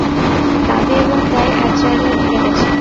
দাবি এবং দেয় এক জায়গায় মিলে গেছে।